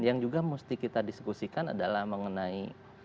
yang juga mesti kita diskusikan adalah mengenai